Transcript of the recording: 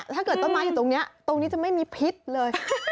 ถ้าเกิดต้นไม้อยู่ตรงนี้ตรงนี้จะไม่มีพิษเลย